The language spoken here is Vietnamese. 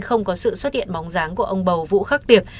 không có sự xuất hiện bóng dáng của ông bầu vũ khắc tiệp